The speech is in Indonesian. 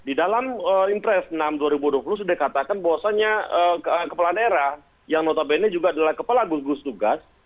di dalam impres enam dua ribu dua puluh sudah dikatakan bahwasannya kepala daerah yang notabene juga adalah kepala gugus tugas